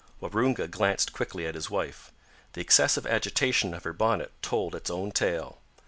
Waroonga glanced quickly at his wife. The excessive agitation of her bonnet told its own tale.